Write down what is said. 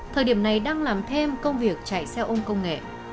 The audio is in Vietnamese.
thời điểm này đang làm thêm công việc chạy xe ôm công nghệ